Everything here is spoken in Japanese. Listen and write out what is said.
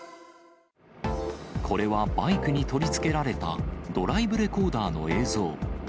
これはバイクに取り付けられたドライブレコーダーの映像。